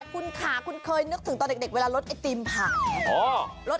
คุณค่ะคุณเคยนึกถึงตอนเด็กเวลารถไอติมผ่าไหม